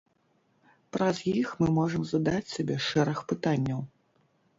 Праз іх мы можам задаць сабе шэраг пытанняў.